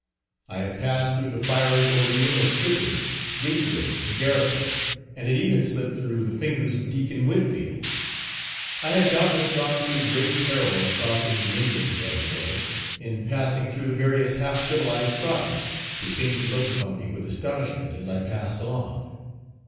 I had passed through the fiery ordeal of Sibley, Gatewood, and Garrison, and had even slipped through the fingers of Deacon Whitfield. I had doubtless gone through great peril in crossing the Indian territory, in passing through the various half civilized tribes, who seemed to look upon me with astonishment as I passed along.